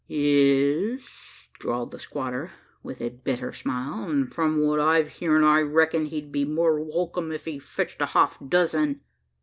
"Y e s," drawled the squatter, with a bitter smile, "an' from what I've heern, I reckon he'd be more welkum if he fetched half a dozen."